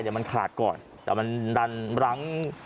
แต่มันขาดก่อนเดี๋ยวมันดันรั้ง